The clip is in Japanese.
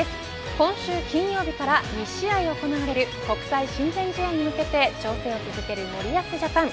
今週金曜日から２試合行われる国際親善試合に向けて調整を続ける森保ジャパン。